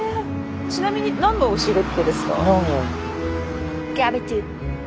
ちなみに何のお仕事ですか？